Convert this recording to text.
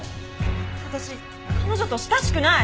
私彼女と親しくない！